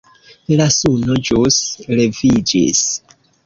La suno ĵus leviĝis.